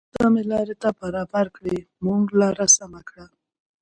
موږ سمې لارې ته برابر کړې زموږ لار سمه کړه.